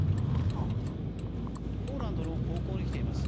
ポーランドの高校に来ています。